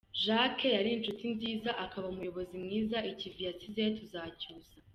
Jacques yari inshuti nziza akaba umuyobozi mwiza ikivi yasize tuzacyusa.